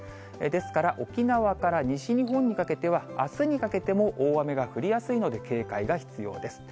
ですから、沖縄から西日本にかけては、あすにかけても大雨が降りやすいので警戒が必要です。